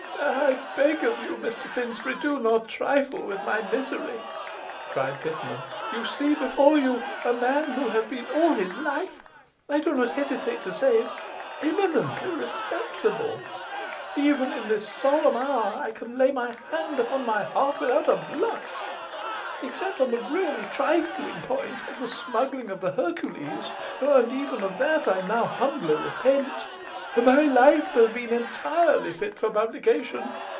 'I beg of you, Mr Finsbury, do not trifle with my misery,' cried Pitman. 'You see before you a man who has been all his life I do not hesitate to say it imminently respectable. Even in this solemn hour I can lay my hand upon my heart without a blush. Except on the really trifling point of the smuggling of the Hercules (and even of that I now humbly repent), my life has been entirely fit for publication.